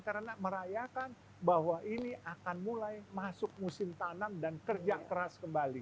karena merayakan bahwa ini akan mulai masuk musim tanam dan kerja keras kembali